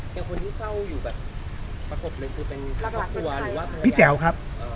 เป็นคนที่เข้าอยู่แบบที่เป็นหรือว่าพี่แจ๋วครับ